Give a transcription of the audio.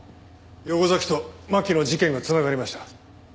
横崎と巻の事件が繋がりました。